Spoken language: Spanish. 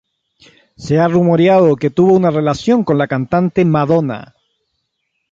Se ha rumoreado que tuvo una relación con la cantante Madonna.